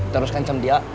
terus kancam dia